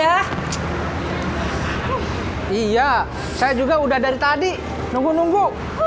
hai iya saya juga udah dari tadi nunggu nunggu